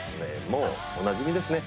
もうおなじみですね